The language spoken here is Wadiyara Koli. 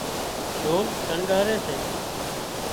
ڍول شڻڳاري سي